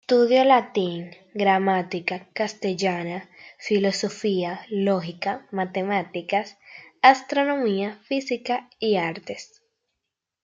Estudió latín, gramática castellana, filosofía, lógica, matemáticas, astronomía, física y artes.